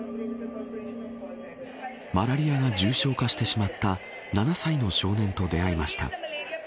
マラリアが重症化してしまった７歳の少年と出会いました。